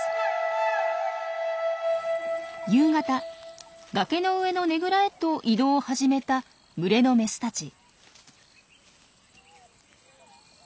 夕方崖の上のねぐらへと移動を始めた群れのメスたち。